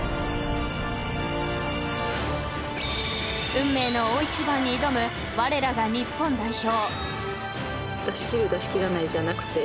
［運命の大一番に挑むわれらが日本代表］